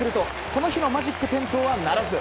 この日はマジック点灯はならず。